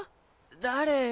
誰？